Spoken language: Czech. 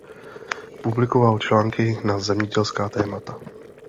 Publikoval články na zemědělská témata.